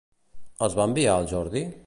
Els va enviar al Jordi?